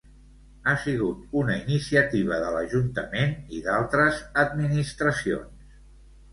Ha sigut una iniciativa de l'Ajuntament i d'altres administracions.